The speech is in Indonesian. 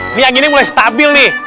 ini anginnya mulai stabil nih